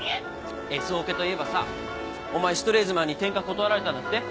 Ｓオケといえばさお前シュトレーゼマンに転科断られたんだって？